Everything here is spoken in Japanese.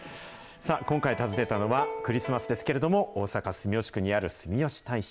さあ、今回訪ねたのは、クリスマスですけれども、大阪・住吉区にある住吉大社。